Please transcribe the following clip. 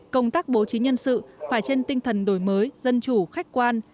công tác bố trí nhân sự phải trên tinh thần đổi mới dân chủ khách quan